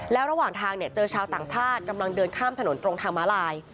แล้วระหว่างทางเจอชาวต่างชาติกำลังเดินข้ามถนนตรงทางม้าลาย